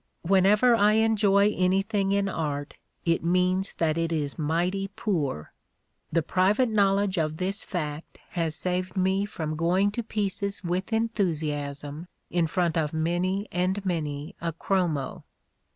Whenever I enjoy anything in art it means that it is mighty poor. The private knowledge of this fact has saved me from going to pieces with enthusiasm in front of many and many a chromo."